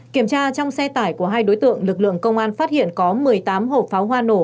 kiểm tra trong xe tải của hai đối tượng lực lượng công an phát hiện có một mươi tám hộp pháo hoa nổ